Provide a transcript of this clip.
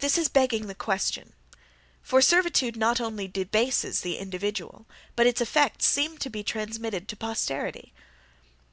This is begging the question; for servitude not only debases the individual, but its effects seem to be transmitted to posterity.